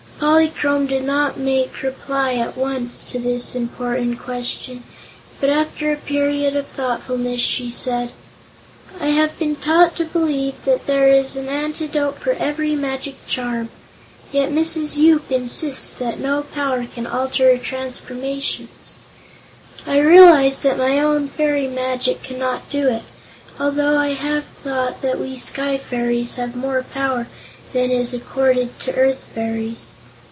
Polychrome did not make reply at once to this important question, but after a period of thoughtfulness she said: "I have been taught to believe that there is an antidote for every magic charm, yet Mrs. Yoop insists that no power can alter her transformations. I realize that my own fairy magic cannot do it, although I have thought that we Sky Fairies have more power than is accorded to Earth Fairies.